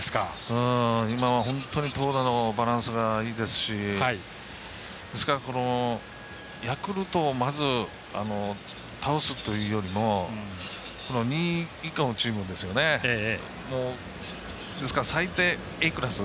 今は、本当に投打のバランスがいいですしですから、ヤクルトをまず倒すというよりも２位以下のチームがですから、最低Ａクラス。